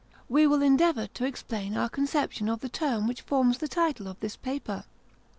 We will endeavour to explain our conception of the term which forms the title of this paper.